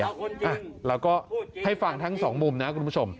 เราก็ให้ฟังทั้งสองมุมนะคุณผู้ชม